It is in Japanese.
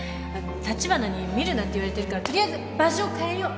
立花に見るなって言われてるから取りあえず場所変えよう。